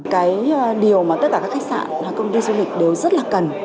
cái điều mà tất cả các khách sạn công ty du lịch đều rất là cần